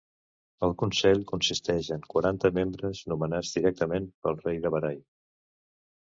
El consell consisteix en quaranta membres nomenats directament pel rei de Bahrain.